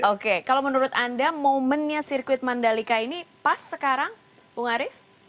oke kalau menurut anda momennya sirkuit mandalika ini pas sekarang bung arief